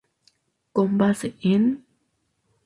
Con base en.